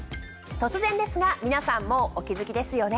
突然ですが皆さんもうお気付きですよね。